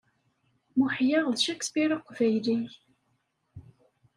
Muḥya d Shakespeare aqbayli.